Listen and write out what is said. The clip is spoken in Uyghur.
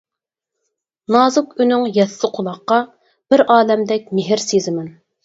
نازۇك ئۈنۈڭ يەتسە قۇلاققا، بىر ئالەمدەك مېھىر سىزىمەن.